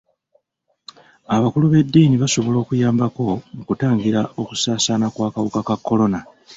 Abakulu b'edddiini basobola okuyambako mu kutangira okusaasaana kw'akawuka ka kolona.